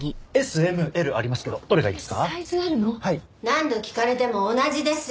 何度聞かれても同じです。